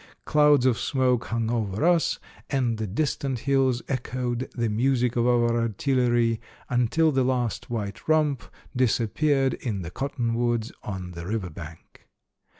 Clouds of smoke hung over us, and the distant hills echoed the music of our artillery until the last white rump disappeared in the cottonwoods on the river bank.